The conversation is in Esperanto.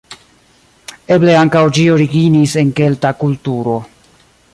Eble ankaŭ ĝi originis en kelta kulturo.